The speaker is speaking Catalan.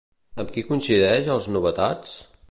Amb qui coincideix al Novetats?